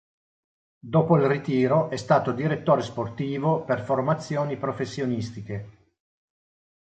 Dopo il ritiro è stato direttore sportivo per formazioni professionistiche.